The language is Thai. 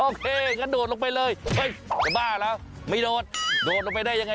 โอเคงั้นโดดลงไปเลยเฮ้ยจะบ้าแล้วไม่โดดโดดลงไปได้ยังไง